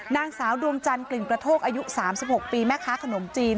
นางสาวดวงจันทร์กลิ่นกระโทกอายุ๓๖ปีแม่ค้าขนมจีน